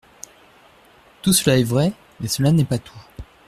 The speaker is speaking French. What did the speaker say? Tout cela est vrai, mais cela n’est pas tout.